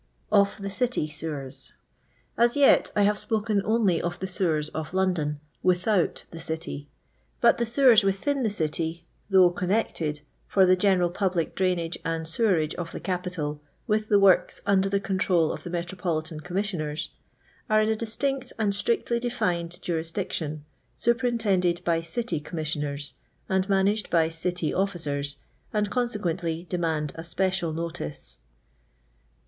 408 Or THE CiTT Seweiuok. As yet I have spoken only of the sewers of Lon don* "without the City; but the sewers within the City, though connected, for the general public drainage and sewerage of the capital, with the works under the control of the Metropolitan Com missioners, are in a distinct and strictly defined jurisdiction, superintended by City Commissioners, and managed by City officers, and consequently demand a speciiU notice.